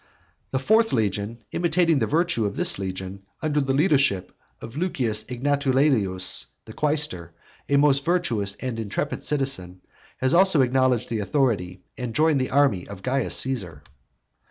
The fourth legion, imitating the virtue of this legion, under the leadership of Lucius Egnatuleius, the quaestor, a most virtuous and intrepid citizen, has also acknowledged the authority and joined the army of Caius Caesar.